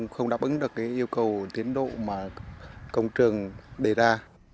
không đáp ứng được yêu cầu tiến độ mà công trường đề ra